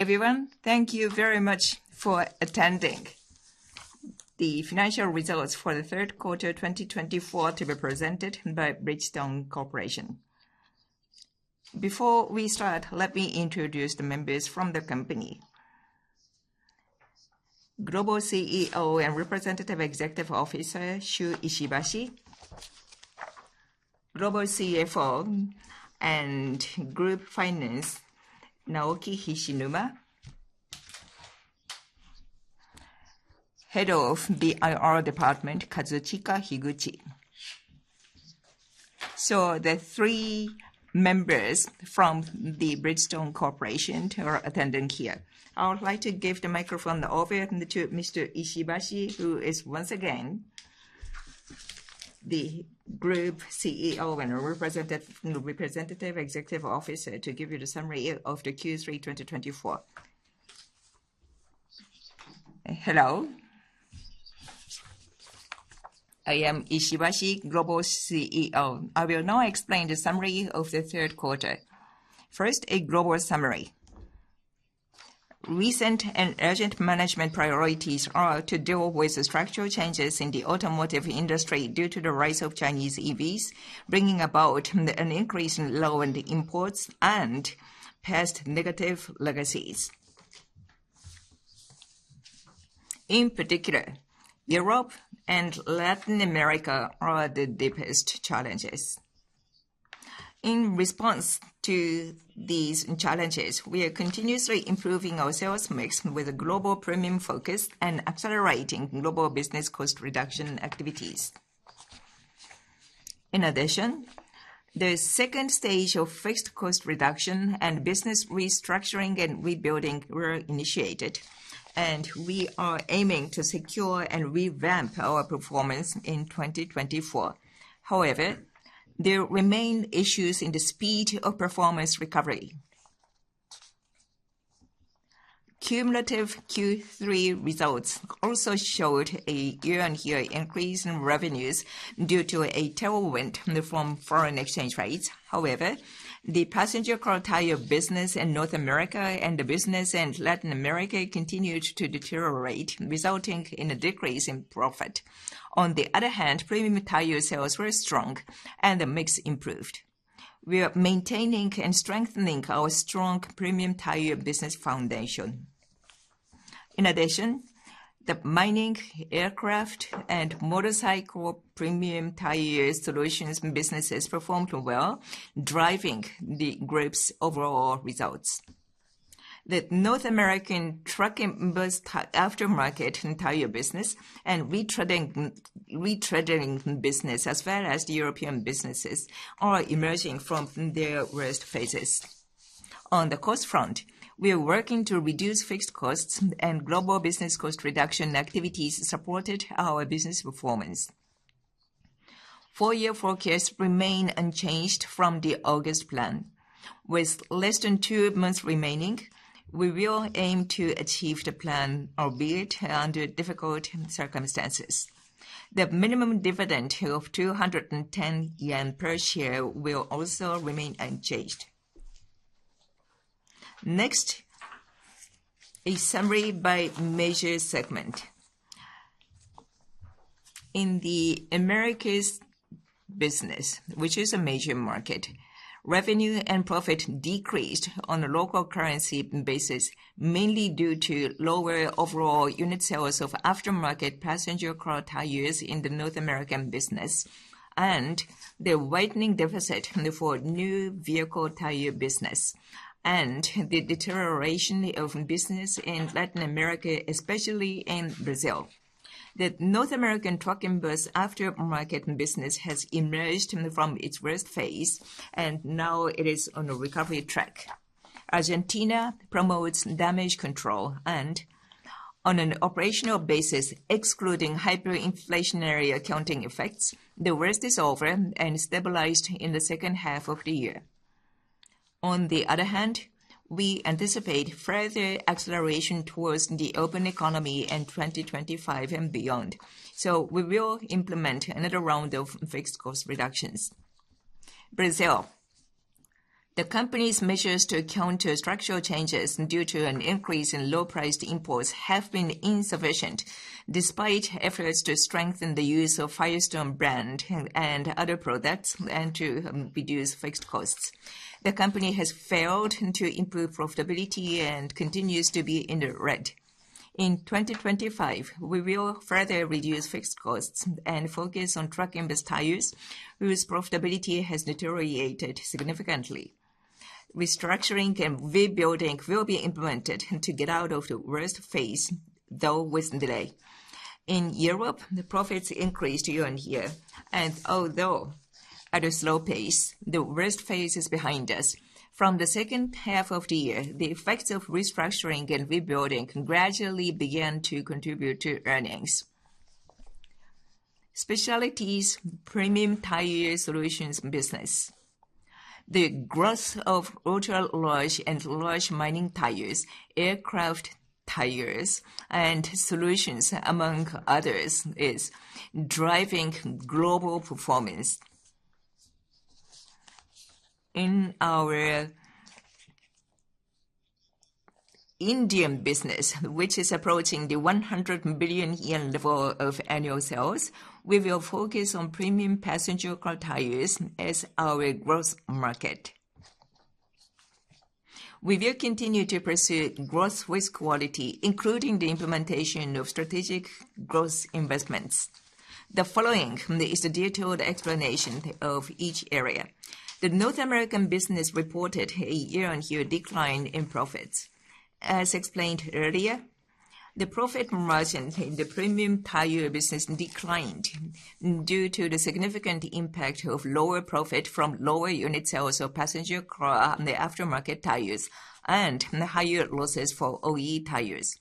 Everyone, thank you very much for attending the financial results for the third quarter 2024 to be presented by Bridgestone Corporation. Before we start, let me introduce the members from the company: Global CEO and Representative Executive Officer Shuichi Ishibashi, Global CFO and Group Finance Naoki Hishinuma, Head of IR Department Kazuchika Higuchi. So, the three members from the Bridgestone Corporation who are attending here, I would like to give the microphone over to Mr. Ishibashi, who is once again the Group CEO and Representative Executive Officer, to give you the summary of the Q3 2024. Hello. I am Ishibashi, Global CEO. I will now explain the summary of the third quarter. First, a global summary. Recent and urgent management priorities are to deal with the structural changes in the automotive industry due to the rise of Chinese EVs, bringing about an increase in low-end imports and past negative legacies. In particular, Europe and Latin America are the deepest challenges. In response to these challenges, we are continuously improving our sales mix with a global premium focus and accelerating global business cost reduction activities. In addition, the second stage of fixed cost reduction and business restructuring and rebuilding were initiated, and we are aiming to secure and revamp our performance in 2024. However, there remain issues in the speed of performance recovery. Cumulative Q3 results also showed a year-on-year increase in revenues due to a tailwind from foreign exchange rates. However, the passenger car tire business in North America and the business in Latin America continued to deteriorate, resulting in a decrease in profit. On the other hand, premium tire sales were strong, and the mix improved. We are maintaining and strengthening our strong premium tire business foundation. In addition, the mining, aircraft, and motorcycle premium tire solutions businesses performed well, driving the group's overall results. The North American trucking aftermarket tire business and retreading business, as well as the European businesses, are emerging from their worst phases. On the cost front, we are working to reduce fixed costs, and global business cost reduction activities supported our business performance. Four-year forecasts remain unchanged from the August plan. With less than two months remaining, we will aim to achieve the plan, albeit under difficult circumstances. The minimum dividend of 210 yen per share will also remain unchanged. Next, a summary by major segment. In the Americas business, which is a major market, revenue and profit decreased on a local currency basis, mainly due to lower overall unit sales of aftermarket passenger car tires in the North American business and the widening deficit for new vehicle tire business and the deterioration of business in Latin America, especially in Brazil. The North American truck and bus aftermarket business has emerged from its worst phase, and now it is on a recovery track. Argentina promotes damage control and, on an operational basis, excluding hyperinflationary accounting effects, the worst is over and stabilized in the second half of the year. On the other hand, we anticipate further acceleration towards the open economy in 2025 and beyond, so we will implement another round of fixed cost reductions. Brazil. The company's measures to counter structural changes due to an increase in low-priced imports have been insufficient, despite efforts to strengthen the use of Firestone brand and other products and to reduce fixed costs. The company has failed to improve profitability and continues to be in the red. In 2025, we will further reduce fixed costs and focus on truck and bus tires, whose profitability has deteriorated significantly. Restructuring and rebuilding will be implemented to get out of the worst phase, though with delay. In Europe, the profits increased year on year, and although at a slow pace, the worst phase is behind us. From the second half of the year, the effects of restructuring and rebuilding gradually began to contribute to earnings. Specialties Premium Tire Solutions Business. The growth of ultra-large and large mining tires, aircraft tires, and solutions, among others, is driving global performance. In our Indian business, which is approaching the 100 billion yen level of annual sales, we will focus on premium passenger car tires as our growth market. We will continue to pursue growth with quality, including the implementation of strategic growth investments. The following is a detailed explanation of each area. The North American business reported a year-on-year decline in profits. As explained earlier, the profit margin in the premium tire business declined due to the significant impact of lower profit from lower unit sales of passenger car aftermarket tires and higher losses for OE tires.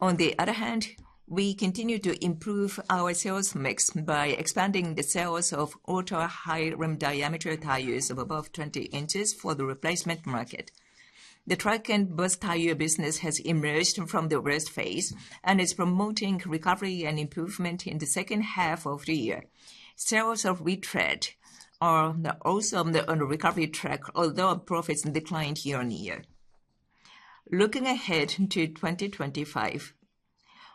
On the other hand, we continue to improve our sales mix by expanding the sales of ultra-high rim diameter tires of above 20 inches for the replacement market. The truck and bus tire business has emerged from the worst phase and is promoting recovery and improvement in the second half of the year. Sales of retread are also on the recovery track, although profits declined year on year. Looking ahead to 2025,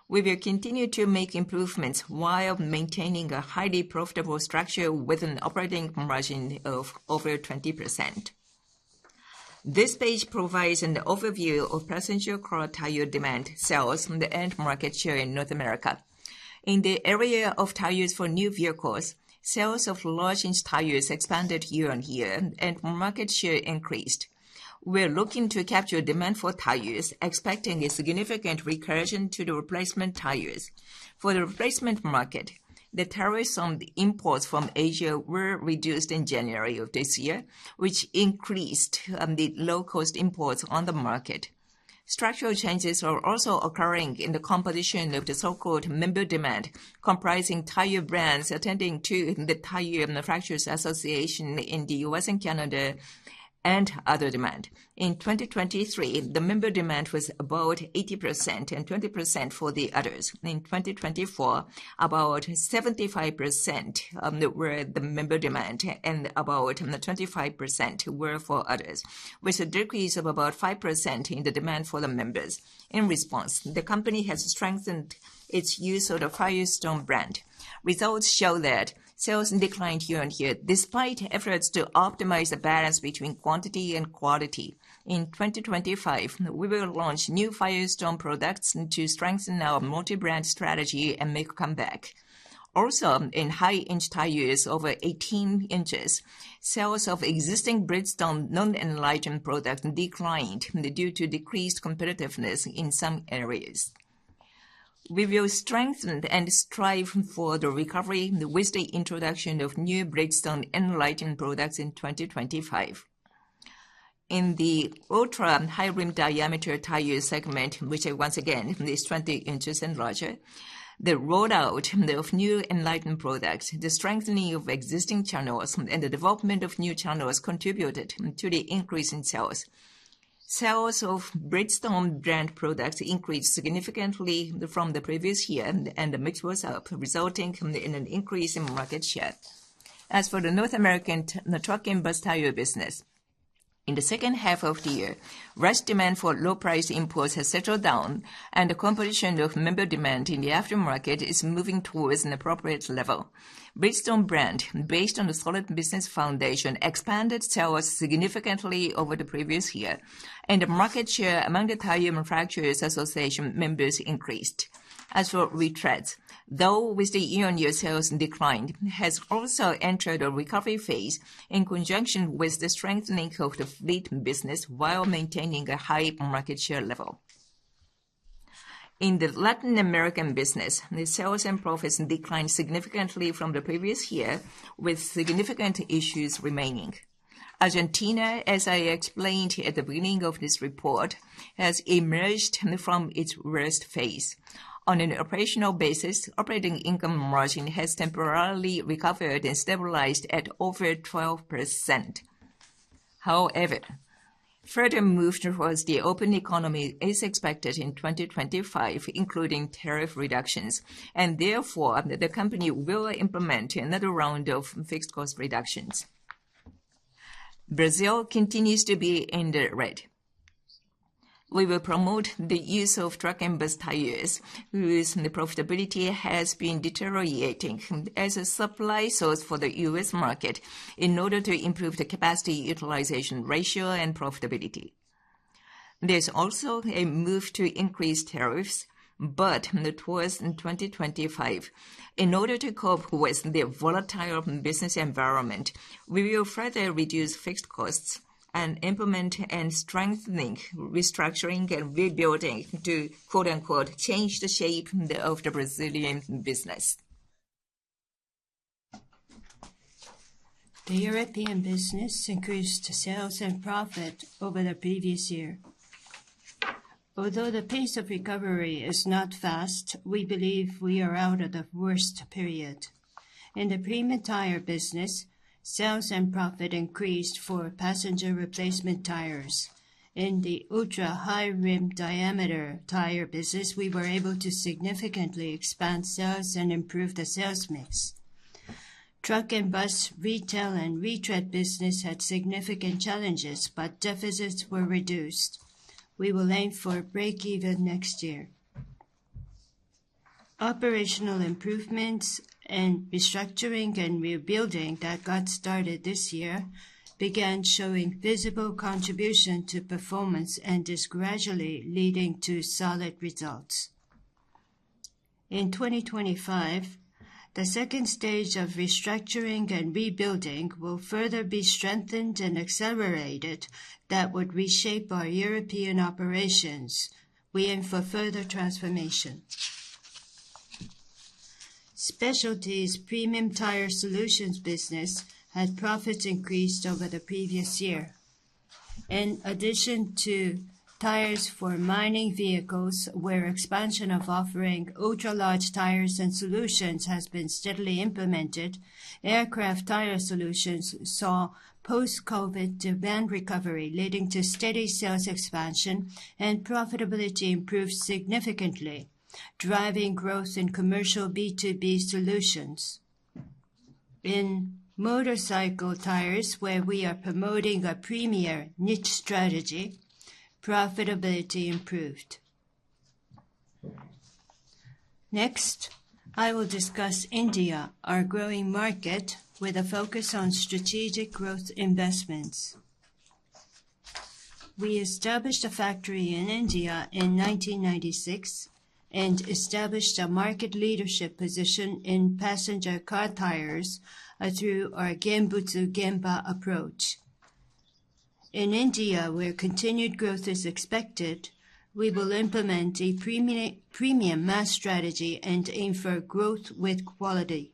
we will continue to make improvements while maintaining a highly profitable structure with an operating margin of over 20%. This page provides an overview of passenger car tire demand sales and the end market share in North America. In the area of tires for new vehicles, sales of large-inch tires expanded year on year, and market share increased. We are looking to capture demand for tires, expecting a significant recovery to the replacement tires. For the replacement market, the tariffs on imports from Asia were reduced in January of this year, which increased the low-cost imports on the market. Structural changes are also occurring in the composition of the so-called member demand, comprising tire brands belonging to the U.S. Tire Manufacturers Association in the U.S. and Canada and other demand. In 2023, the member demand was about 80% and 20% for the others. In 2024, about 75% were the member demand, and about 25% were for others, with a decrease of about 5% in the demand for the members. In response, the company has strengthened its use of the Firestone brand. Results show that sales declined year on year, despite efforts to optimize the balance between quantity and quality. In 2025, we will launch new Firestone products to strengthen our multi-brand strategy and make a comeback. Also, in high-inch tires over 18 inches, sales of existing Bridgestone non-ENLITEN products declined due to decreased competitiveness in some areas. We will strengthen and strive for the recovery with the introduction of new Bridgestone ENLITEN products in 2025. In the ultra-high rim diameter tire segment, which, once again, is 20 inches and larger, the rollout of new ENLITEN products, the strengthening of existing channels, and the development of new channels contributed to the increase in sales. Sales of Bridgestone brand products increased significantly from the previous year, and the mix was up, resulting in an increase in market share. As for the North American truck and bus tire business, in the second half of the year, rush demand for low-priced imports has settled down, and the composition of member demand in the aftermarket is moving towards an appropriate level. Bridgestone brand, based on a solid business foundation, expanded sales significantly over the previous year, and the market share among the U.S. Tire Manufacturers Association members increased. As for retread, though, with the year-on-year sales declined, has also entered a recovery phase in conjunction with the strengthening of the fleet business while maintaining a high market share level. In the Latin American business, the sales and profits declined significantly from the previous year, with significant issues remaining. Argentina, as I explained at the beginning of this report, has emerged from its worst phase. On an operational basis, operating income margin has temporarily recovered and stabilized at over 12%. However, further move towards the open economy is expected in 2025, including tariff reductions, and therefore the company will implement another round of fixed cost reductions. Brazil continues to be in the red. We will promote the use of truck and bus tires, whose profitability has been deteriorating as a supply source for the U.S. market, in order to improve the capacity utilization ratio and profitability. There's also a move to increase tariffs, but towards 2025, in order to cope with the volatile business environment, we will further reduce fixed costs and implement and strengthen restructuring and rebuilding to "change the shape of the Brazilian business." The European business increased sales and profit over the previous year. Although the pace of recovery is not fast, we believe we are out of the worst period. In the premium tire business, sales and profit increased for passenger replacement tires. In the high rim diameter tire business, we were able to significantly expand sales and improve the sales mix. Truck and bus retail and retread business had significant challenges, but deficits were reduced. We will aim for breakeven next year. Operational improvements and restructuring and rebuilding that got started this year began showing visible contribution to performance and is gradually leading to solid results. In 2025, the second stage of restructuring and rebuilding will further be strengthened and accelerated, that would reshape our European operations. We aim for further transformation. Specialties Premium Tire Solutions business had profits increased over the previous year. In addition to tires for mining vehicles, where expansion of offering ultra-large tires and solutions has been steadily implemented, aircraft tire solutions saw post-COVID demand recovery, leading to steady sales expansion and profitability improved significantly, driving growth in commercial B2B solutions. In motorcycle tires, where we are promoting a Premium Niche strategy, profitability improved. Next, I will discuss India, our growing market, with a focus on strategic growth investments. We established a factory in India in 1996 and established a market leadership position in passenger car tires through our Genbutsu-Genba approach. In India, where continued growth is expected, we will implement a Premium Mass strategy and aim for growth with quality.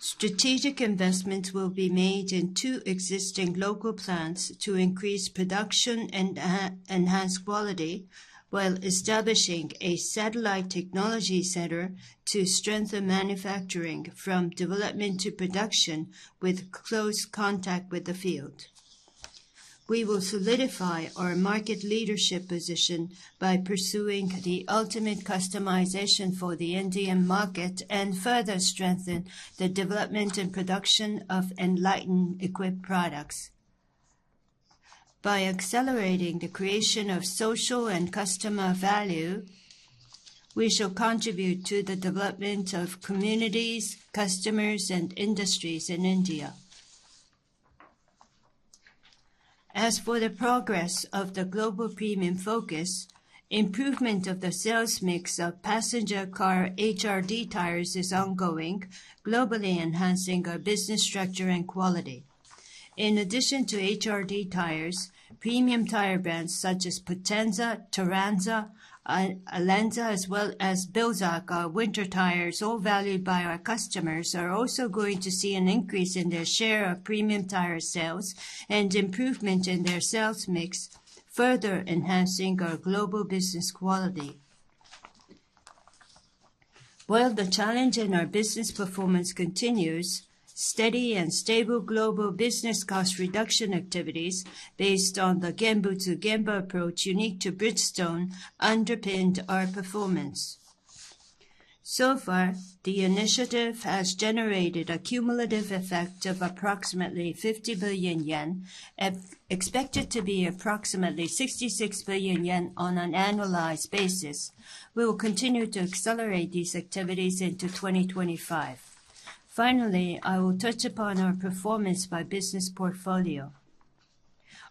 Strategic investments will be made in two existing local plants to increase production and enhance quality while establishing a satellite technology center to strengthen manufacturing from development to production with close contact with the field. We will solidify our market leadership position by pursuing the ultimate customization for the Indian market and further strengthen the development and production of ENLITEN-equipped products. By accelerating the creation of social and customer value, we shall contribute to the development of communities, customers, and industries in India. As for the progress of the global premium focus, improvement of the sales mix of passenger car HRD tires is ongoing, globally enhancing our business structure and quality. In addition to HRD tires, premium tire brands such as Potenza, Turanza, Alenza, as well as Blizzak, our winter tires, all valued by our customers, are also going to see an increase in their share of premium tire sales and improvement in their sales mix, further enhancing our global business quality. While the challenge in our business performance continues, steady and stable global business cost reduction activities based on the Genbutsu-Genba approach unique to Bridgestone underpinned our performance. So far, the initiative has generated a cumulative effect of approximately 50 billion yen, expected to be approximately 66 billion yen on an annualized basis. We will continue to accelerate these activities into 2025. Finally, I will touch upon our performance by business portfolio.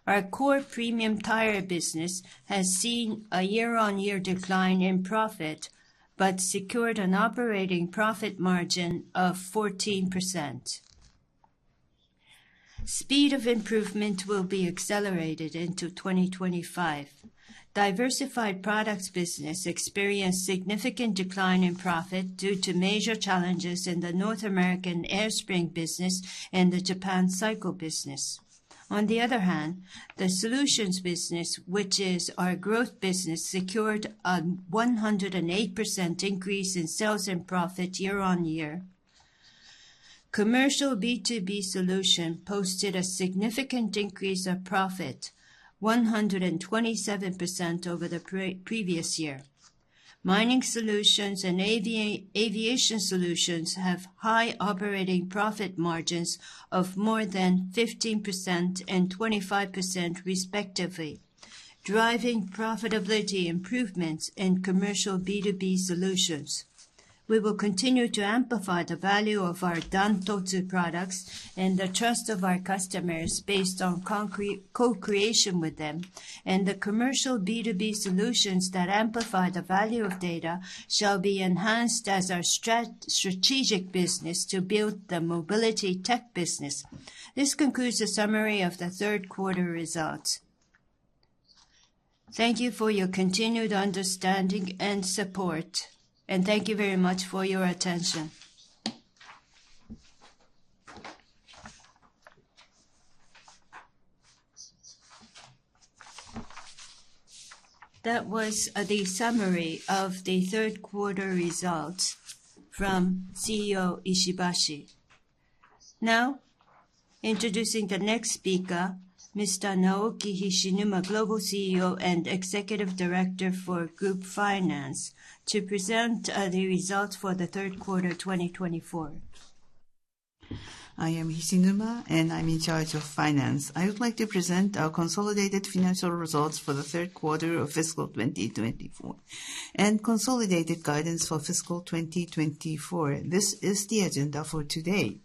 Our core premium tire business has seen a year-on-year decline in profit but secured an operating profit margin of 14%. Speed of improvement will be accelerated into 2025. Diversified Products business experienced significant decline in profit due to major challenges in the North American air spring business and the Japan cycle business. On the other hand, the solutions business, which is our growth business, secured a 108% increase in sales and profit year-on-year. Commercial B2B solution posted a significant increase of profit, 127% over the previous year. Mining solutions and aviation solutions have high operating profit margins of more than 15% and 25%, respectively, driving profitability improvements in Commercial B2B Solutions. We will continue to amplify the value of our Dan-Totsu products and the trust of our customers based on co-creation with them, and the Commercial B2B Solutions that amplify the value of data shall be enhanced as our strategic business to build the mobility tech business. This concludes the summary of the third quarter results. Thank you for your continued understanding and support, and thank you very much for your attention. That was the summary of the third quarter results from CEO Ishibashi. Now, introducing the next speaker, Mr. Naoki Hishinuma, Global CFO and Executive Director for Group Finance, to present the results for the third quarter 2024. I am Hishinuma, and I'm in charge of finance. I would like to present our consolidated financial results for the third quarter of fiscal 2024 and consolidated guidance for fiscal 2024. This is the agenda for today.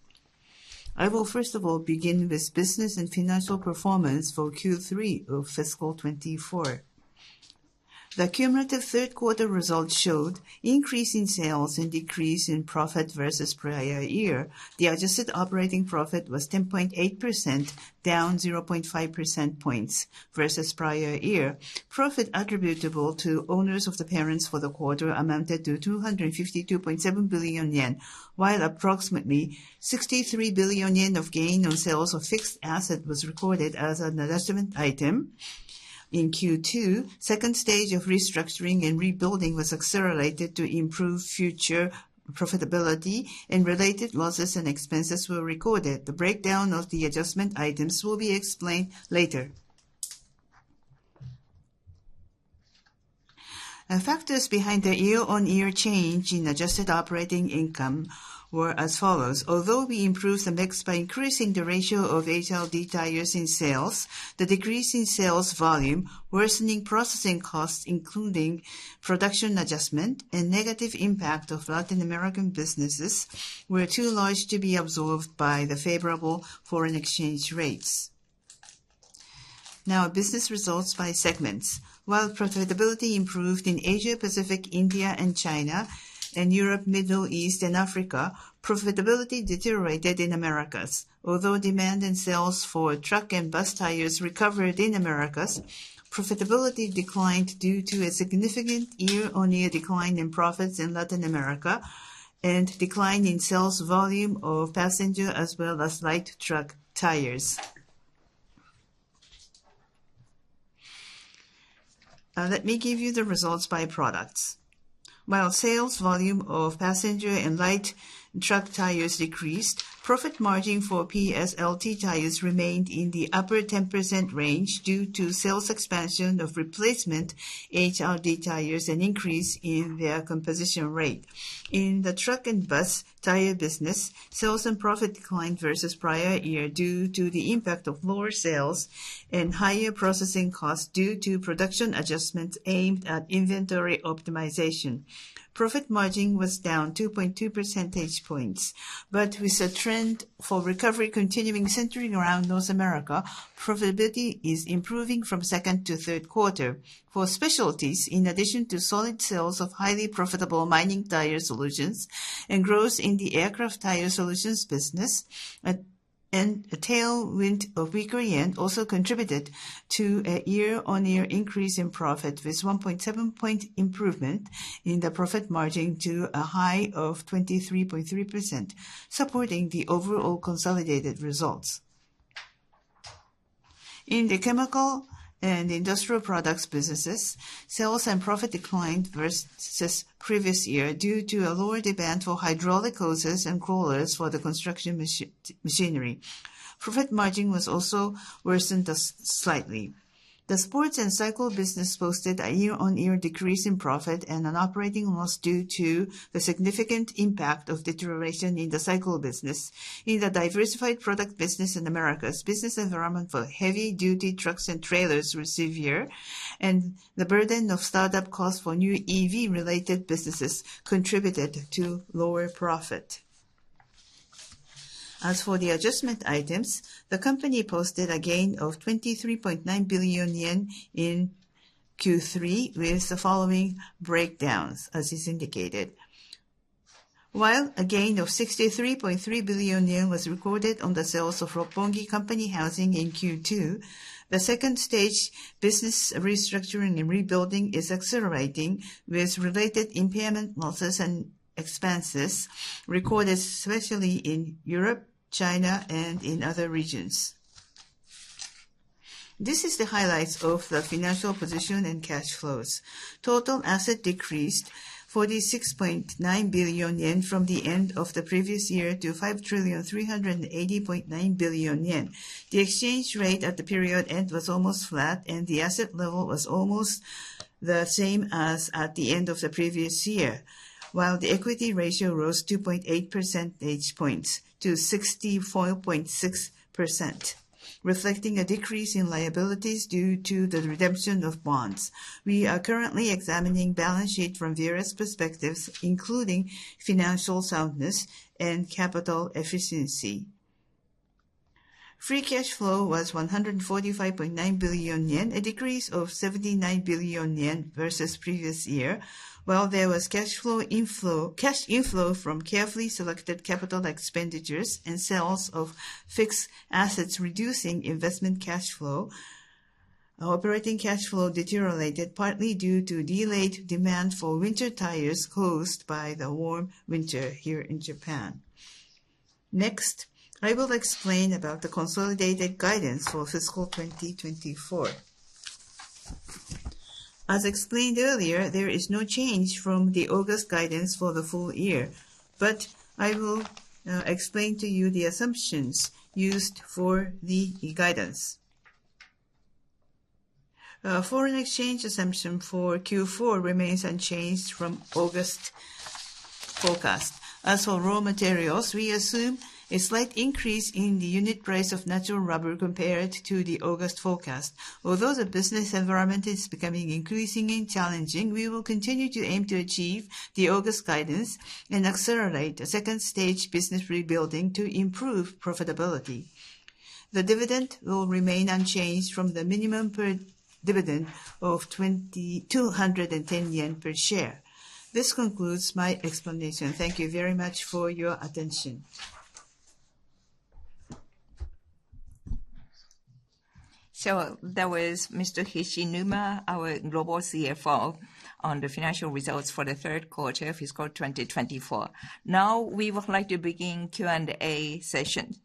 I will first of all begin with business and financial performance for Q3 of fiscal 24. The cumulative third quarter result showed increase in sales and decrease in profit versus prior year. The adjusted operating profit was 10.8%, down 0.5 percentage points versus prior year. Profit attributable to owners of the parent for the quarter amounted to 252.7 billion yen, while approximately 63 billion yen of gain on sales of fixed assets was recorded as an adjustment item. In Q2, second stage of restructuring and rebuilding was accelerated to improve future profitability, and related losses and expenses were recorded. The breakdown of the adjustment items will be explained later. Factors behind the year-on-year change in adjusted operating income were as follows. Although we improved the mix by increasing the ratio of HRD tires in sales, the decrease in sales volume, worsening processing costs, including production adjustment, and negative impact of Latin American businesses were too large to be absorbed by the favorable foreign exchange rates. Now, business results by segments. While profitability improved in Asia, Pacific, India, and China, and Europe, Middle East, and Africa, profitability deteriorated in Americas. Although demand and sales for truck and bus tires recovered in Americas, profitability declined due to a significant year-on-year decline in profits in Latin America and decline in sales volume of passenger as well as light truck tires. Let me give you the results by products. While sales volume of passenger and light truck tires decreased, profit margin for PSLT tires remained in the upper 10% range due to sales expansion of replacement HRD tires and increase in their composition rate. In the truck and bus tire business, sales and profit declined versus prior year due to the impact of lower sales and higher processing costs due to production adjustments aimed at inventory optimization. Profit margin was down 2.2 percentage points, but with a trend for recovery continuing centering around North America, profitability is improving from second to third quarter. For specialties, in addition to solid sales of highly profitable mining tire solutions and growth in the aircraft tire solutions business, a tailwind of weaker yen also contributed to a year-on-year increase in profit with 1.7 point improvement in the profit margin to a high of 23.3%, supporting the overall consolidated results. In the chemical and industrial products businesses, sales and profit declined versus previous year due to a lower demand for hydraulic hoses and crawlers for the construction machinery. Profit margin was also worsened slightly. The sports and cycle business posted a year-on-year decrease in profit and an operating loss due to the significant impact of deterioration in the cycle business. In the Diversified Product business in Americas, business environment for heavy-duty trucks and trailers was severe, and the burden of startup costs for new EV-related businesses contributed to lower profit. As for the adjustment items, the company posted a gain of 23.9 billion yen in Q3 with the following breakdowns, as is indicated. While a gain of 63.3 billion yen was recorded on the sales of Roppongi company housing in Q2, the second stage business restructuring and rebuilding is accelerating with related impairment losses and expenses recorded especially in Europe, China, and in other regions. This is the highlights of the financial position and cash flows. Total assets decreased 46.9 billion yen from the end of the previous year to 5,380.9 billion yen. The exchange rate at the period end was almost flat, and the asset level was almost the same as at the end of the previous year, while the equity ratio rose 2.8 percentage points to 64.6%, reflecting a decrease in liabilities due to the redemption of bonds. We are currently examining balance sheet from various perspectives, including financial soundness and capital efficiency. Free cash flow was 145.9 billion yen, a decrease of 79 billion yen versus previous year, while there was cash flow inflow from carefully selected capital expenditures and sales of fixed assets, reducing investment cash flow. Operating cash flow deteriorated partly due to delayed demand for winter tires caused by the warm winter here in Japan. Next, I will explain about the consolidated guidance for fiscal 2024. As explained earlier, there is no change from the August guidance for the full year, but I will explain to you the assumptions used for the guidance. Foreign exchange assumption for Q4 remains unchanged from August forecast. As for raw materials, we assume a slight increase in the unit price of natural rubber compared to the August forecast. Although the business environment is becoming increasingly challenging, we will continue to aim to achieve the August guidance and accelerate the second stage business rebuilding to improve profitability. The dividend will remain unchanged from the minimum dividend of 210 yen per share. This concludes my explanation. Thank you very much for your attention. So that was Mr. Hishinuma, our Global CFO, on the financial results for the third quarter of fiscal 2024. Now, we would like to begin Q&A session.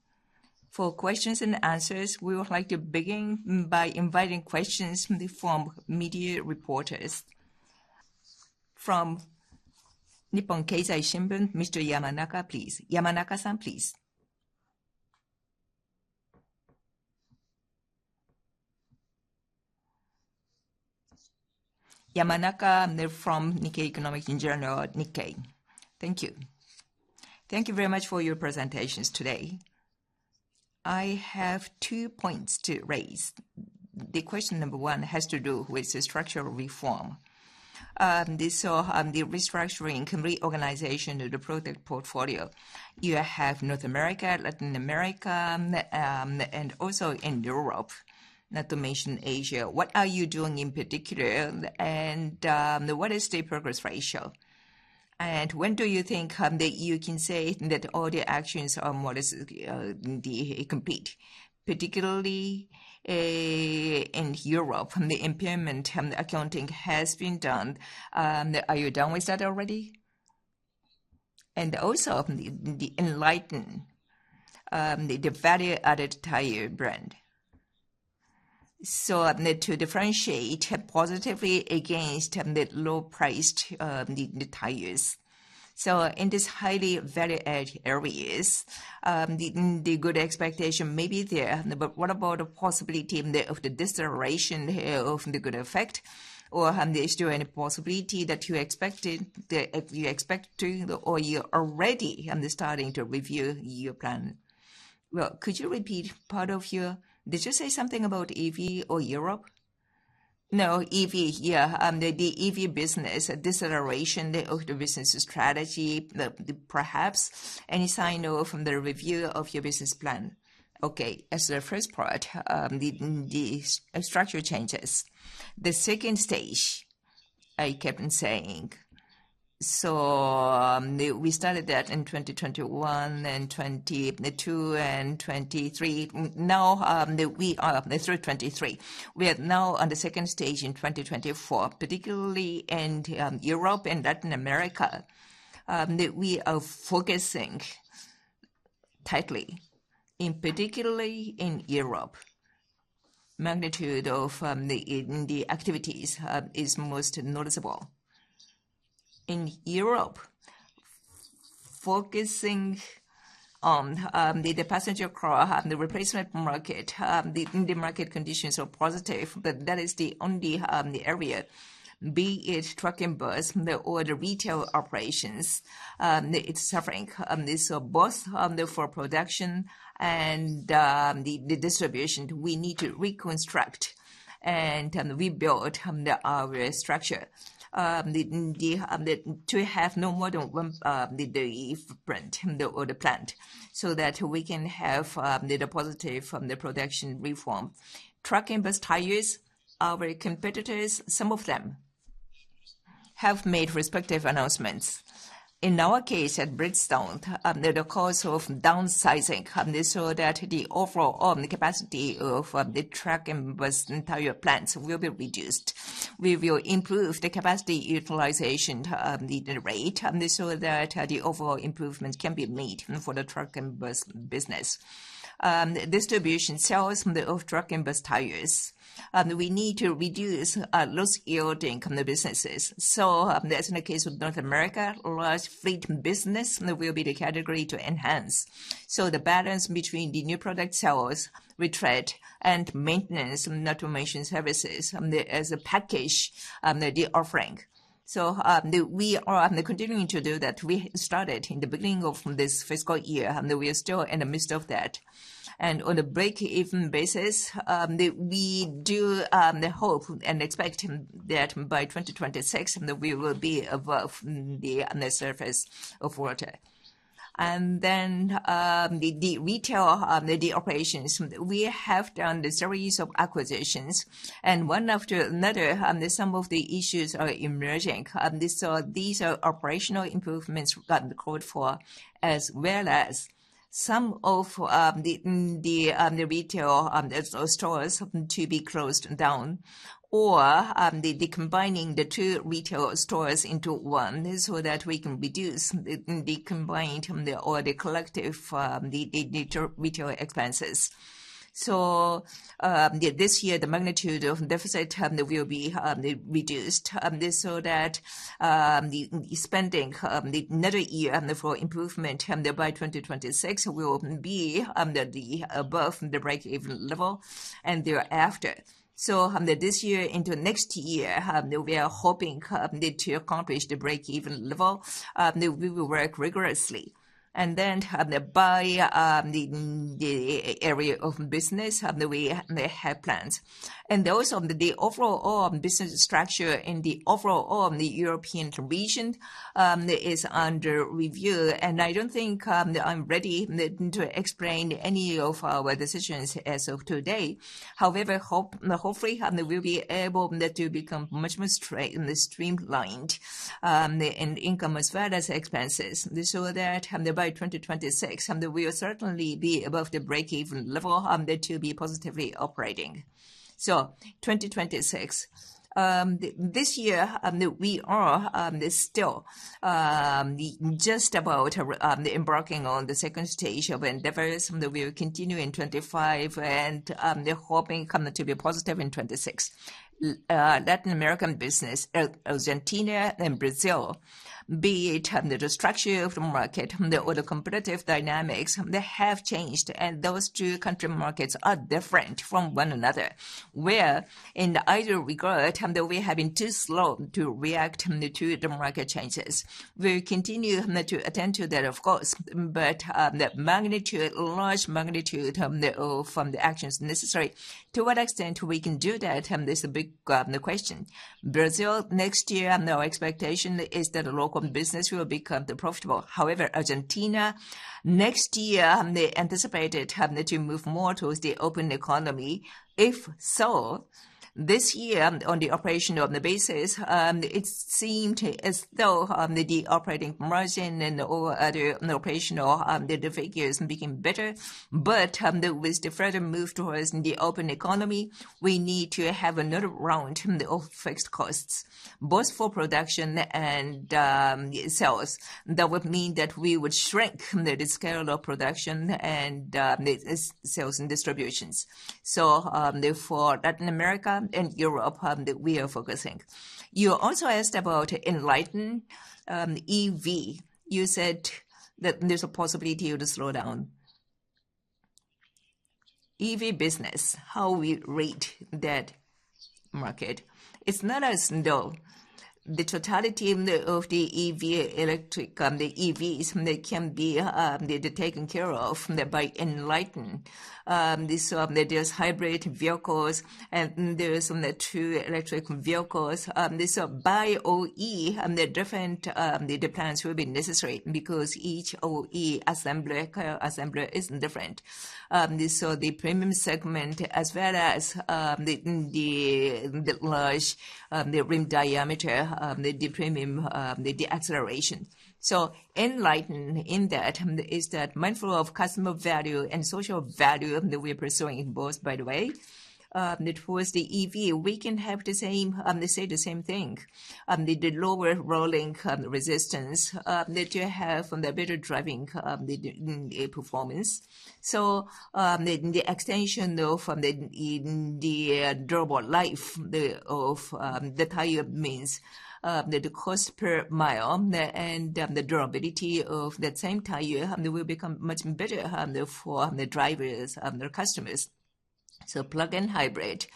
For questions and answers, we would like to begin by inviting questions from the media reporters. From Nihon Keizai Shimbun, Mr. Yamanaka, please. Yamanaka-san, please. Yamanaka from Nikkei, Economics General, Nikkei. Thank you. Thank you very much for your presentations today. I have two points to raise. The question number one has to do with the structural reform. This is the restructuring and reorganization of the product portfolio. You have North America, Latin America, and also in Europe, not to mention Asia. What are you doing in particular, and what is the progress ratio? And when do you think that you can say that all the actions are more complete, particularly in Europe? The impairment accounting has been done. Are you done with that already? And also the ENLITEN, the value-added tire brand. So to differentiate positively against the low-priced tires. So in these highly valued areas, the good expectation may be there, but what about the possibility of the deterioration of the good effect? Or is there any possibility that you expect to, or you're already starting to review your plan? Could you repeat part of your question, did you say something about EV or Europe? No, EV, yeah. The EV business, the deterioration of the business strategy, perhaps any sign of the review of your business plan. Okay, as the first part, the structure changes. The second stage, I kept on saying. So we started that in 2021 and 2022 and 2023. Now, we are through 2023. We are now on the second stage in 2024, particularly in Europe and Latin America. We are focusing tightly, particularly in Europe. Magnitude of the activities is most noticeable. In Europe, focusing on the passenger car, the replacement market, the market conditions are positive, but that is the only area. Be it truck and bus, or the retail operations, it's suffering. So both for production and the distribution, we need to reconstruct and rebuild our structure to have no more than one footprint or the plant so that we can have the positive from the production reform. Truck and bus tires, our competitors, some of them have made respective announcements. In our case at Bridgestone, the cause of downsizing so that the overall capacity of the truck and bus tire plants will be reduced. We will improve the capacity utilization rate so that the overall improvement can be made for the truck and bus business. Distribution sales of truck and bus tires, we need to reduce loss yielding from the businesses. So as in the case of North America, large fleet business will be the category to enhance. So the balance between the new product sales, retread, and maintenance, not to mention services as a package, the offering. So we are continuing to do that. We started in the beginning of this fiscal year, and we are still in the midst of that. And on a break-even basis, we do hope and expect that by 2026, we will be above the surface of water. And then the retail, the operations, we have done a series of acquisitions, and one after another, some of the issues are emerging. So these are operational improvements gotten called for, as well as some of the retail stores to be closed down or the combining the two retail stores into one so that we can reduce the combined or the collective retail expenses. So this year, the magnitude of deficit will be reduced so that the spending the next year for improvement by 2026 will be above the break-even level and thereafter. So this year into next year, we are hoping to accomplish the break-even level. We will work rigorously. And then by the area of business, we have plans. And also the overall business structure in the overall European region is under review. And I don't think I'm ready to explain any of our decisions as of today. However, hopefully, we'll be able to become much more streamlined in income as well as expenses. So that by 2026, we will certainly be above the break-even level to be positively operating. So 2026. This year, we are still just about embarking on the second stage of endeavors. We will continue in 2025 and hoping to be positive in 2026. Latin American business, Argentina and Brazil, be it the structure of the market or the competitive dynamics, they have changed, and those two country markets are different from one another, where in either regard, we have been too slow to react to the market changes. We will continue to attend to that, of course, but the magnitude, large magnitude of the actions necessary. To what extent we can do that is a big question. Brazil, next year, our expectation is that local business will become profitable. However, Argentina, next year, they anticipated to move more towards the open economy. If so, this year, on the operational basis, it seemed as though the operating margin and all other operational figures became better, but with the further move towards the open economy, we need to have another round of fixed costs, both for production and sales. That would mean that we would shrink the scale of production and sales and distributions, so for Latin America and Europe, we are focusing. You also asked about ENLITEN EV. You said that there's a possibility of the slowdown. EV business, how we rate that market? It's not as though the totality of the EV electric EVs can be taken care of by ENLITEN. There's hybrid vehicles and there's true electric vehicles. So by OE, the different plans will be necessary because each OE assembler is different. So the premium segment, as well as the large rim diameter, the premium, the acceleration. So ENLITEN in that is that mindful of customer value and social value that we are pursuing both, by the way. Towards the EV, we can have the same, say the same thing. The lower rolling resistance that you have from the better driving performance. So the extension of the durable life of the tire means that the cost per mile and the durability of that same tire will become much better for the drivers, their customers. So plug-in hybrid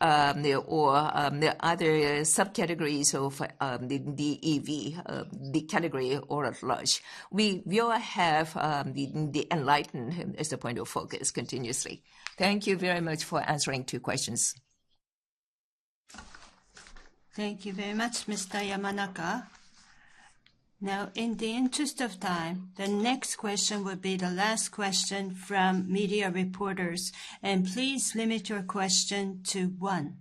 or the other subcategories of the EV, the category or at large. We will have the ENLITEN as the point of focus continuously. Thank you very much for answering two questions. Thank you very much, Mr. Yamanaka. Now, in the interest of time, the next question will be the last question from media reporters. Please limit your question to one.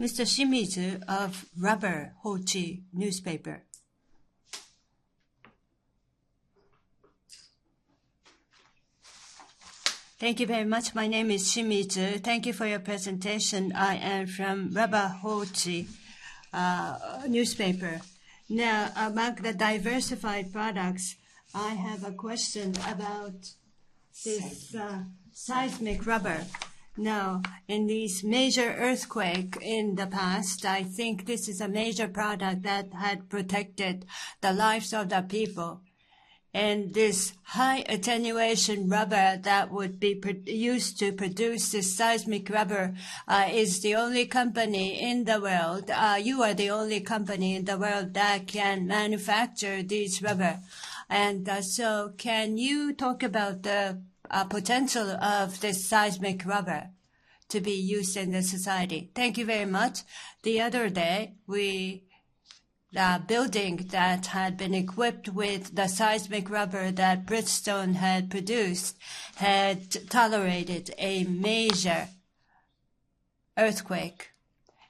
Mr. Shimizu of Rubber Hochi Shimbun. Thank you very much. My name is Shimizu. Thank you for your presentation. I am from Rubber Hochi Shimbun. Now, among the diversified products, I have a question about this seismic rubber. Now, in these major earthquakes in the past, I think this is a major product that had protected the lives of the people. And this high-attenuation rubber that would be used to produce this seismic rubber is the only company in the world. You are the only company in the world that can manufacture this rubber. And so can you talk about the potential of this seismic rubber to be used in the society? Thank you very much. The other day, the building that had been equipped with the seismic rubber that Bridgestone had produced had tolerated a major earthquake.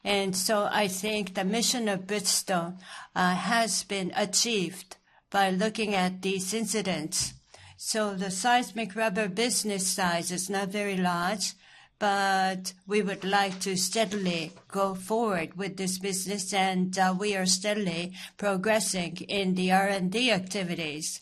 I think the mission of Bridgestone has been achieved by looking at these incidents. The seismic rubber business size is not very large, but we would like to steadily go forward with this business, and we are steadily progressing in the R&D activities.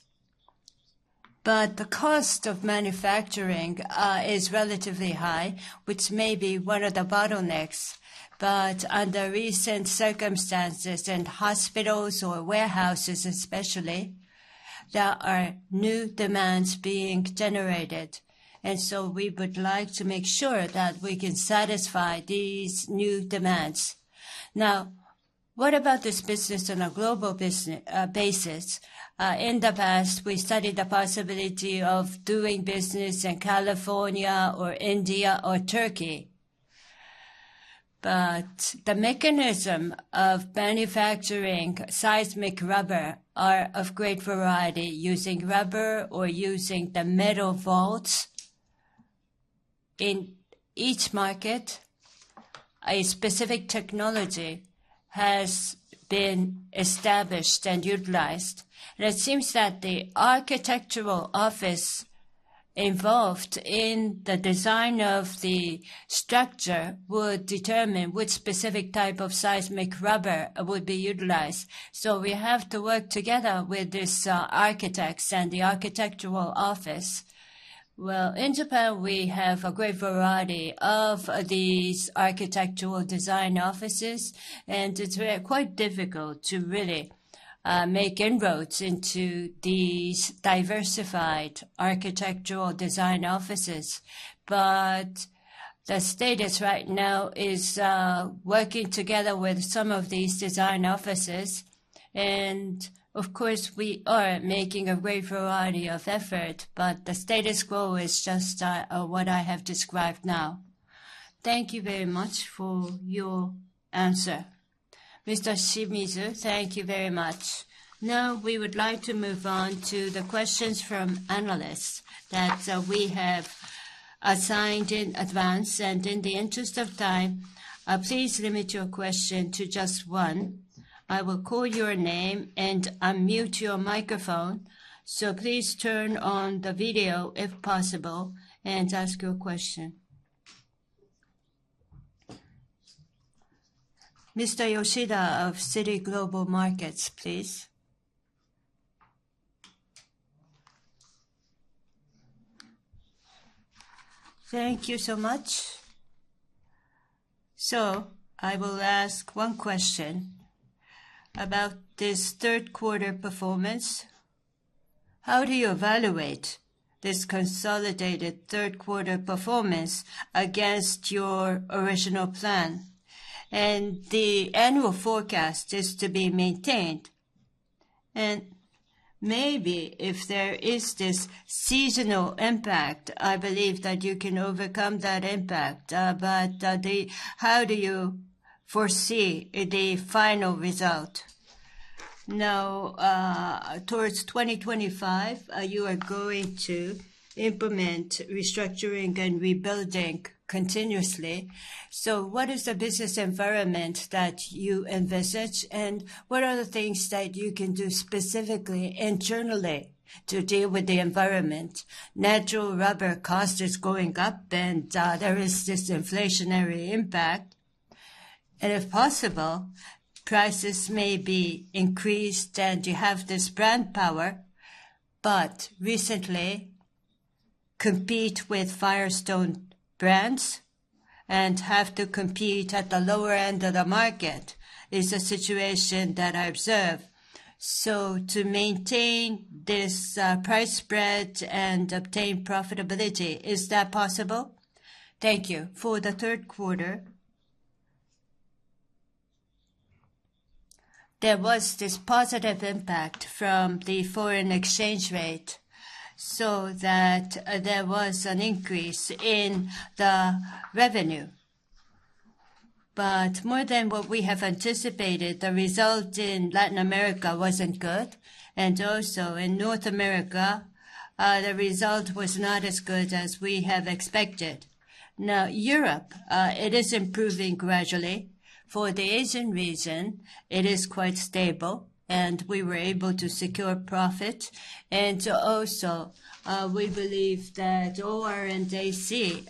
The cost of manufacturing is relatively high, which may be one of the bottlenecks. Under recent circumstances and hospitals or warehouses, especially, there are new demands being generated. We would like to make sure that we can satisfy these new demands. Now, what about this business on a global basis? In the past, we studied the possibility of doing business in California or India or Turkey. The mechanism of manufacturing seismic rubber is of great variety using rubber or using the metal vaults. In each market, a specific technology has been established and utilized. It seems that the architectural office involved in the design of the structure would determine which specific type of seismic rubber would be utilized. We have to work together with these architects and the architectural office. In Japan, we have a great variety of these architectural design offices, and it's quite difficult to really make inroads into these diversified architectural design offices. The status right now is working together with some of these design offices. Of course, we are making a great variety of effort, but the status quo is just what I have described now. Thank you very much for your answer. Mr. Shimizu, thank you very much. Now, we would like to move on to the questions from analysts that we have assigned in advance. In the interest of time, please limit your question to just one. I will call your name and unmute your microphone. So please turn on the video if possible and ask your question. Mr. Yoshida of Citigroup Global Markets, please. Thank you so much. So I will ask one question about this third-quarter performance. How do you evaluate this consolidated third-quarter performance against your original plan? And the annual forecast is to be maintained. And maybe if there is this seasonal impact, I believe that you can overcome that impact. But how do you foresee the final result? Now, towards 2025, you are going to implement restructuring and rebuilding continuously. So what is the business environment that you envisage? And what are the things that you can do specifically internally to deal with the environment? Natural rubber cost is going up, and there is this inflationary impact. And if possible, prices may be increased and you have this brand power. But recently, compete with Firestone brands and have to compete at the lower end of the market is a situation that I observe. So to maintain this price spread and obtain profitability, is that possible? Thank you. For the third quarter, there was this positive impact from the foreign exchange rate so that there was an increase in the revenue, but more than what we have anticipated, the result in Latin America wasn't good, and also in North America, the result was not as good as we have expected. Now, Europe, it is improving gradually. For the Asian region, it is quite stable, and we were able to secure profit, and also, we believe that OR and AC,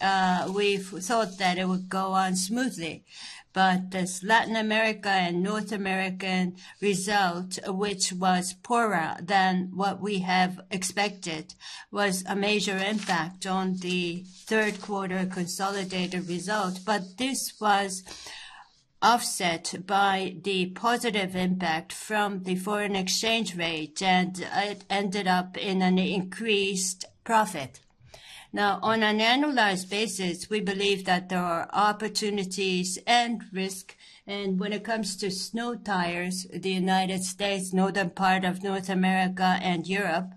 we thought that it would go on smoothly. But thisLatin America and North America result, which was poorer than what we have expected, was a major impact on the third-quarter consolidated result. But this was offset by the positive impact from the foreign exchange rate, and it ended up in an increased profit. Now, on an annualized basis, we believe that there are opportunities and risk. And when it comes to snow tires, the United States, northern part of North America, and Europe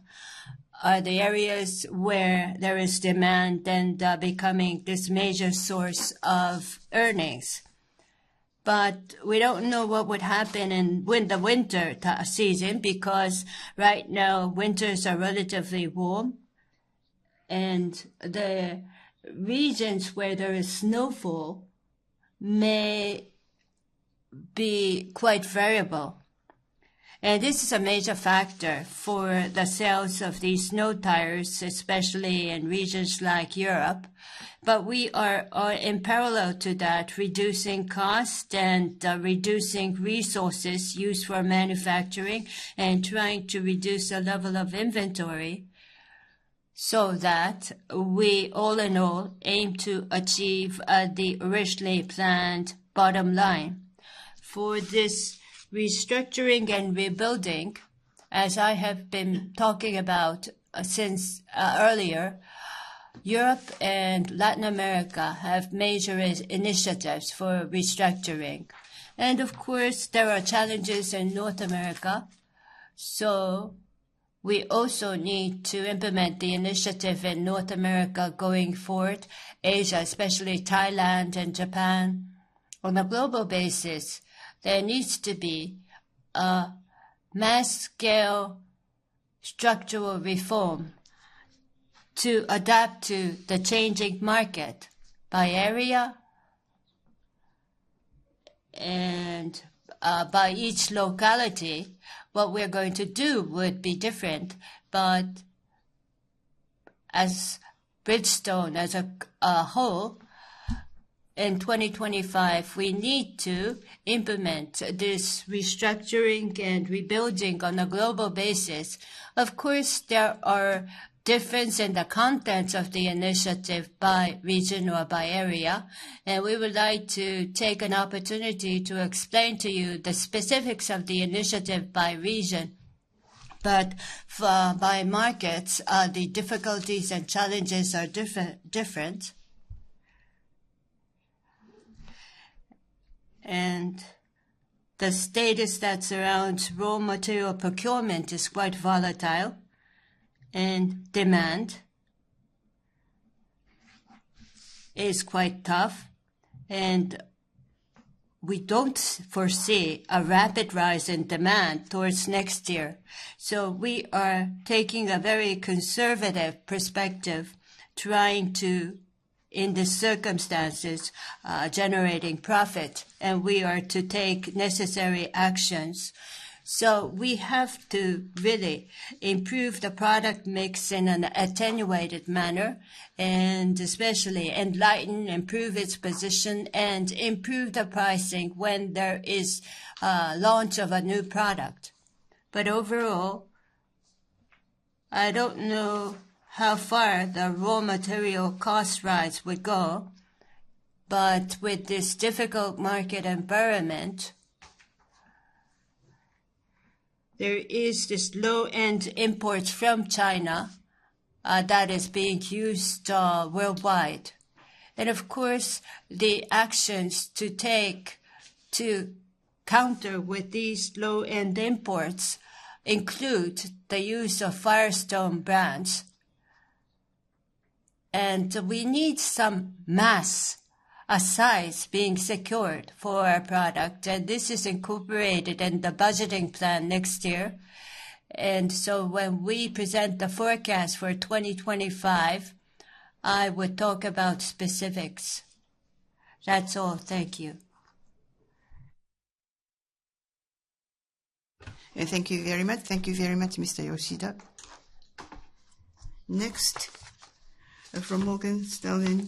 are the areas where there is demand and becoming this major source of earnings. But we don't know what would happen in the winter season because right now, winters are relatively warm, and the regions where there is snowfall may be quite variable. And this is a major factor for the sales of these snow tires, especially in regions like Europe. But we are in parallel to that, reducing cost and reducing resources used for manufacturing and trying to reduce the level of inventory so that we all in all aim to achieve the originally planned bottom line. For this restructuring and rebuilding, as I have been talking about since earlier, Europe and Latin America have major initiatives for restructuring, and of course, there are challenges in North America, so we also need to implement the initiative in North America going forward, Asia, especially Thailand and Japan. On a global basis, there needs to be a mass-scale structural reform to adapt to the changing market by area and by each locality. What we're going to do would be different, but as Bridgestone as a whole, in 2025, we need to implement this restructuring and rebuilding on a global basis. Of course, there are differences in the contents of the initiative by region or by area, and we would like to take an opportunity to explain to you the specifics of the initiative by region. But by markets, the difficulties and challenges are different, and the status that surrounds raw material procurement is quite volatile, and demand is quite tough. And we don't foresee a rapid rise in demand towards next year, so we are taking a very conservative perspective, trying to, in these circumstances, generate profit, and we are to take necessary actions. So we have to really improve the product mix in an attenuated manner and especially ENLITEN, improve its position, and improve the pricing when there is a launch of a new product, but overall, I don't know how far the raw material cost rise would go. But with this difficult market environment, there is this low-end import from China that is being used worldwide. And of course, the actions to take to counter with these low-end imports include the use of Firestone brands. And we need some mass, a size being secured for our product. And this is incorporated in the budgeting plan next year. And so when we present the forecast for 2025, I will talk about specifics. That's all. Thank you. Thank you very much. Thank you very much, Mr. Yoshida. Next, from Morgan Stanley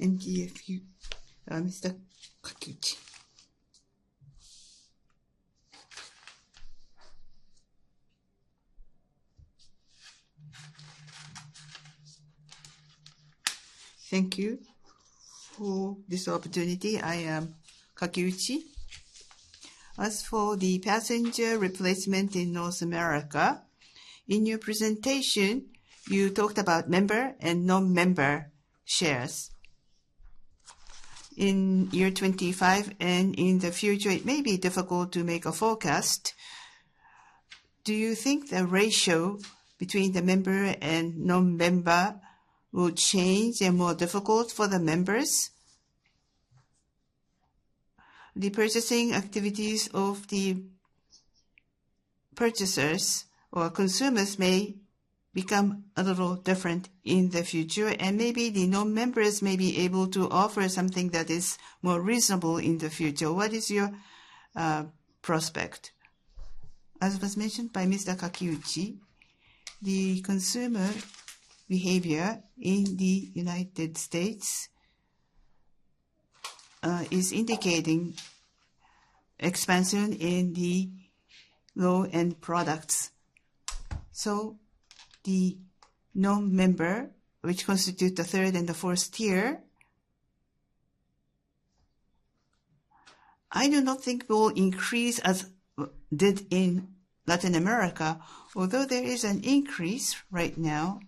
MUFG, Mr. Kakiuchi. Thank you for this opportunity. I am Kakiuchi. As for the passenger replacement in North America, in your presentation, you talked about member and non-member shares. In year 25 and in the future, it may be difficult to make a forecast. Do you think the ratio between the member and non-member will change and more difficult for the members? The purchasing activities of the purchasers or consumers may become a little different in the future, and maybe the non-members may be able to offer something that is more reasonable in the future. What is your prospect? As was mentioned by Mr. Kakiuchi, the consumer behavior in the United States is indicating expansion in the low-end products. So the non-member, which constitutes the third and the fourth tier, I do not think will increase as did in Latin America. Although there is an increase right now,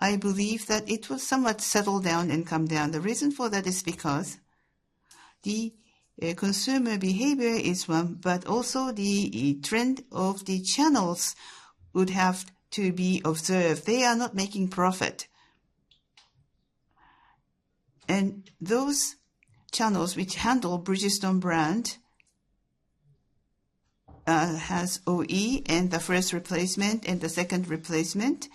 I believe that it will somewhat settle down and come down. The reason for that is because the consumer behavior is one, but also the trend of the channels would have to be observed. They are not making profit. And those channels which handle Bridgestone brand has OE and the first replacement and the second replacement.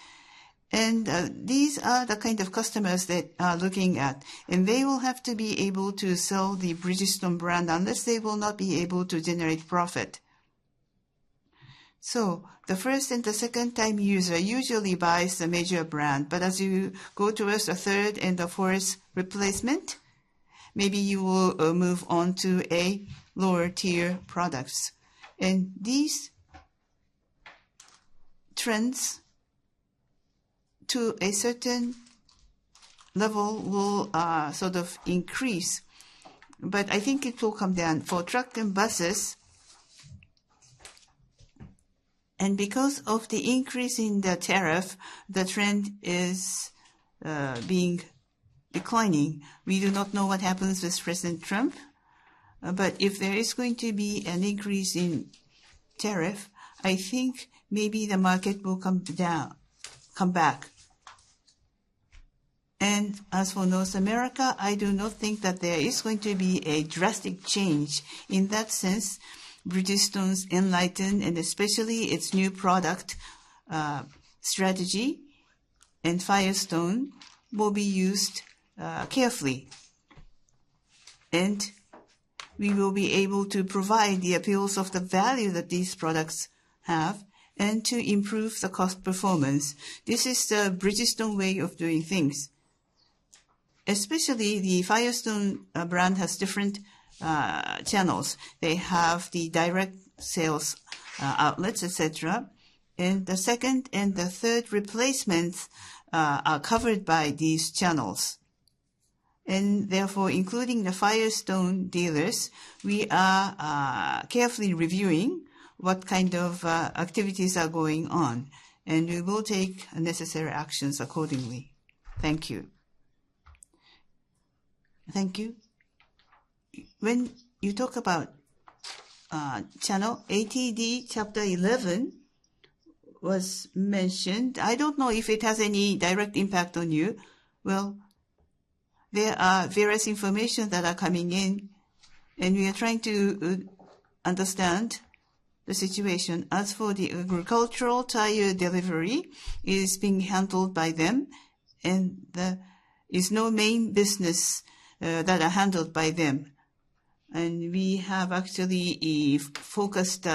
And these are the kind of customers that are looking at. And they will have to be able to sell the Bridgestone brand unless they will not be able to generate profit. So the first and the second-time user usually buys the major brand. But as you go towards the third and the fourth replacement, maybe you will move on to a lower-tier product. And these trends to a certain level will sort of increase. But I think it will come down. For trucks and buses, and because of the increase in the tariff, the trend is declining. We do not know what happens with President Trump. But if there is going to be an increase in tariff, I think maybe the market will come back. As for North America, I do not think that there is going to be a drastic change. In that sense, Bridgestone's ENLITEN and especially its new product strategy and Firestone will be used carefully. We will be able to provide the appeals of the value that these products have and to improve the cost performance. This is the Bridgestone way of doing things. Especially the Firestone brand has different channels. They have the direct sales outlets, etc. The second and the third replacements are covered by these channels. Therefore, including the Firestone dealers, we are carefully reviewing what kind of activities are going on. We will take necessary actions accordingly. Thank you. Thank you. When you talk about channel ATD, Chapter 11 was mentioned. I don't know if it has any direct impact on you. There are various information that are coming in, and we are trying to understand the situation. As for the Agricultural tire delivery, it is being handled by them, and there is no main business that is handled by them. We have actually a focused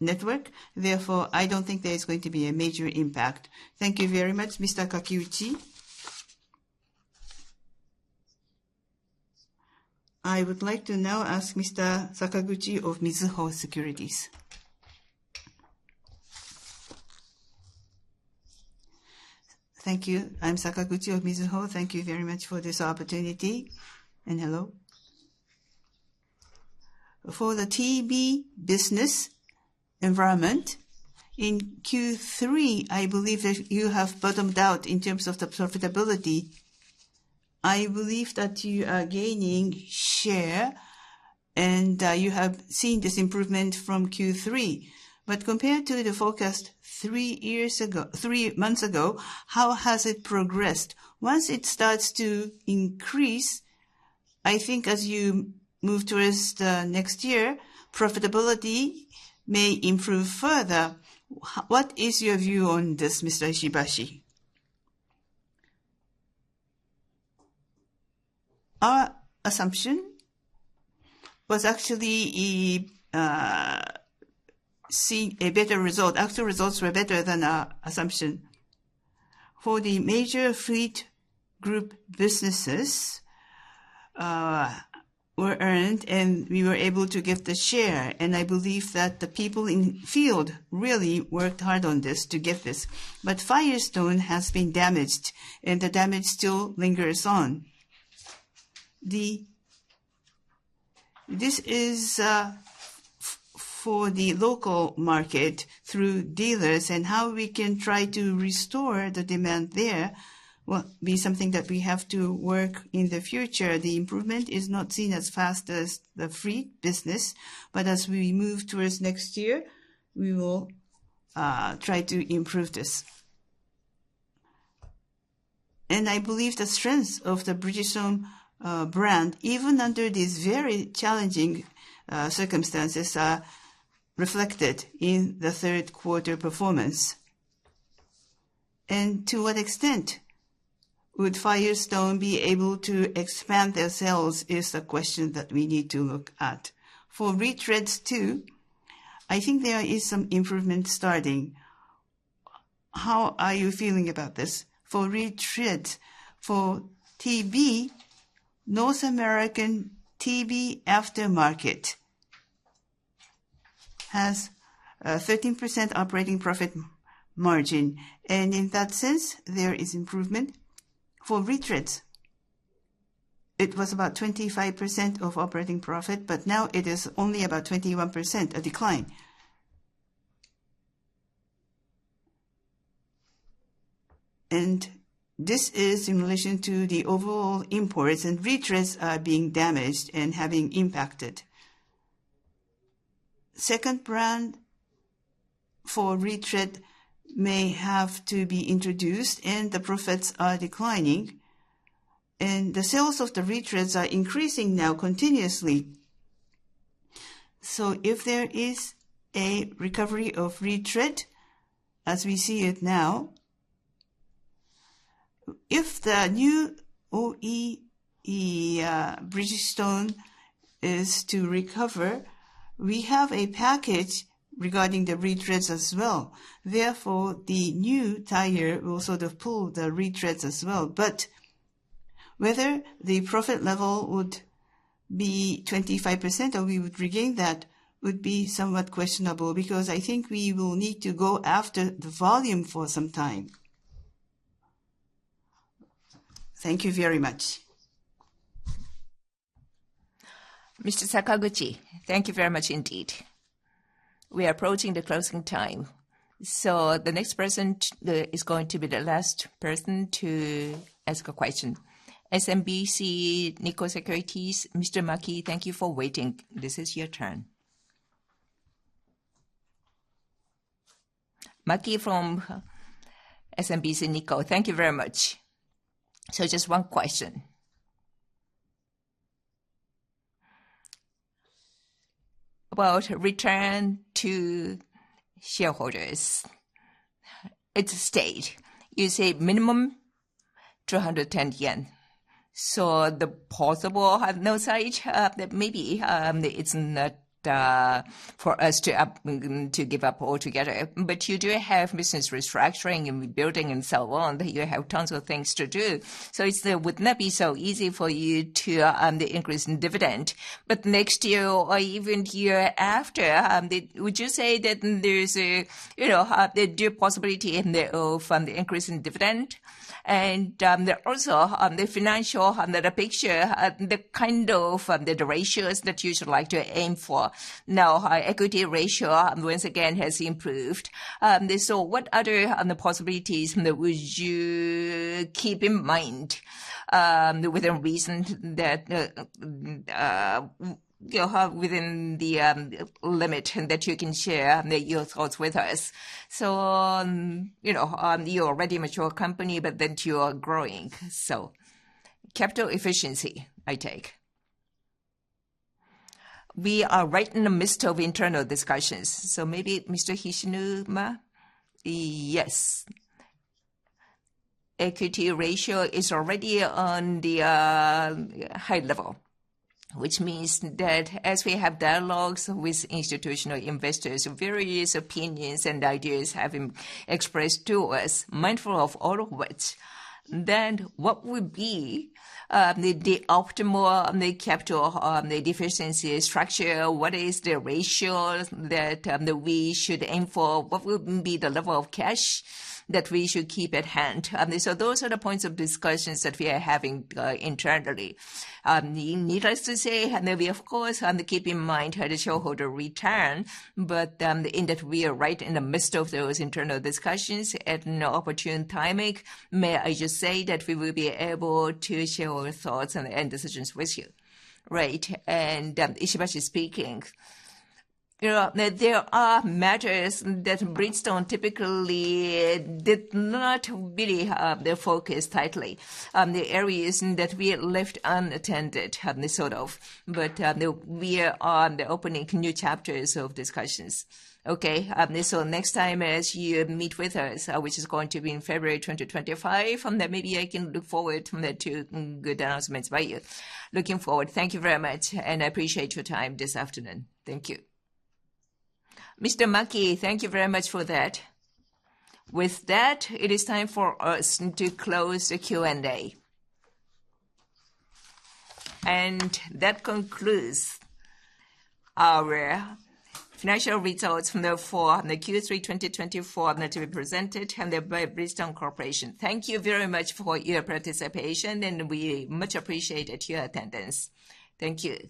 network. Therefore, I don't think there is going to be a major impact. Thank you very much, Mr. Kakiuchi. I would like to now ask Mr. Sakaguchi of Mizuho Securities. Thank you. I'm Sakaguchi of Mizuho. Thank you very much for this opportunity. Hello. For the TB business environment, in Q3, I believe that you have bottomed out in terms of the profitability. I believe that you are gaining share, and you have seen this improvement from Q3. But compared to the forecast three months ago, how has it progressed? Once it starts to increase, I think as you move towards next year, profitability may improve further. What is your view on this, Mr. Ishibashi? Our assumption was actually seeing a better result. Actual results were better than our assumption. For the major fleet group businesses were earned, and we were able to get the share. And I believe that the people in the field really worked hard on this to get this. But Firestone has been damaged, and the damage still lingers on. This is for the local market through dealers, and how we can try to restore the demand there will be something that we have to work on in the future. The improvement is not seen as fast as the fleet business, but as we move towards next year, we will try to improve this. I believe the strength of the Bridgestone brand, even under these very challenging circumstances, is reflected in the third-quarter performance. To what extent would Firestone be able to expand their sales is the question that we need to look at. For retreads too, I think there is some improvement starting. How are you feeling about this? For retreads, for TB, North American TB aftermarket has a 13% operating profit margin. In that sense, there is improvement. For retreads, it was about 25% of operating profit, but now it is only about 21%, a decline. This is in relation to the overall imports, and retreads are being damaged and having impacted. Second brand for retread may have to be introduced, and the profits are declining. The sales of the retreads are increasing now continuously. So if there is a recovery of retread as we see it now, if the new OE Bridgestone is to recover, we have a package regarding the retreads as well. Therefore, the new tire will sort of pull the retreads as well. But whether the profit level would be 25% or we would regain that would be somewhat questionable because I think we will need to go after the volume for some time. Thank you very much. Mr. Sakaguchi, thank you very much indeed. We are approaching the closing time. So the next person is going to be the last person to ask a question. SMBC Nikko Securities, Mr. Maki, thank you for waiting. This is your turn. Maki from SMBC Nikko. Thank you very much. So just one question about return to shareholders. It's stayed. You say minimum 210 yen. So, the possibility, maybe it's not for us to give up altogether, but you do have business restructuring and rebuilding and so on. You have tons of things to do. So it would not be so easy for you to increase in dividend, but next year or even year after, would you say that there is a possibility in the increase in dividend? And also the financial picture, the kind of the ratios that you should like to aim for. Now, equity ratio once again has improved. So what other possibilities would you keep in mind within reason that you have within the limit that you can share your thoughts with us? So you're already a mature company, but then you are growing. So capital efficiency, I take. We are right in the midst of internal discussions. So maybe Mr. Hishinuma Yes. Equity ratio is already on the high level, which means that as we have dialogues with institutional investors, various opinions and ideas have been expressed to us, mindful of all of which, then what would be the optimal capital structure? What is the ratio that we should aim for? What would be the level of cash that we should keep at hand? So those are the points of discussion that we are having internally. Needless to say, we, of course, keep in mind the shareholder return. But as we are right in the midst of those internal discussions at an opportune time, may I just say that we will be able to share our thoughts and decisions with you. Right. Ishibashi speaking, there are matters that Bridgestone typically did not really focus tightly. The areas that we left unattended, sort of. But we are opening new chapters of discussions. Okay. So next time as you meet with us, which is going to be in February 2025, maybe I can look forward to good announcements by you. Looking forward. Thank you very much. And I appreciate your time this afternoon. Thank you. Mr. Maki, thank you very much for that. With that, it is time for us to close the Q&A. And that concludes our financial results for Q3 2024 to be presented by Bridgestone Corporation. Thank you very much for your participation, and we much appreciate your attendance. Thank you.